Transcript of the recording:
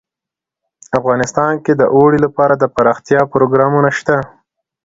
افغانستان کې د اوړي لپاره دپرمختیا پروګرامونه شته.